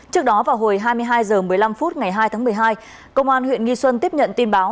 trước đó vào hồi hai mươi hai h một mươi năm phút ngày hai tháng một mươi hai công an huyện nghi xuân tiếp nhận tin báo